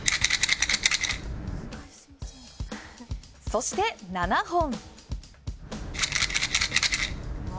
そして、７本。